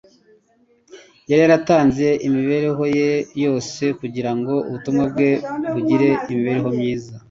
Yari yaratanze imibereho ye yose kugira ngo ubutumwa bwe bugire amaherezo meza.